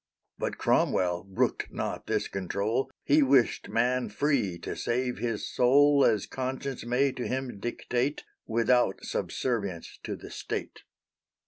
But Cromwell brooked not this control; He wished man free to save his soul As conscience may to him dictate, Without subservience to the State.